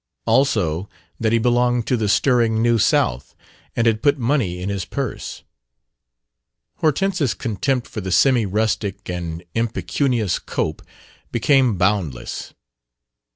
Also, that he belonged to the stirring New South and had put money in his purse. Hortense's contempt for the semi rustic and impecunious Cope became boundless.